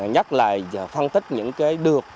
nhất là phân tích những cái được